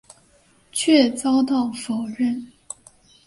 却遭到否认。